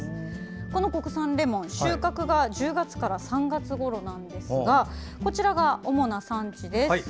この国産レモン、収穫が１０月から３月ごろなんですがこちらが主な産地です。